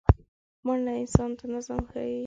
منډه انسان ته نظم ښيي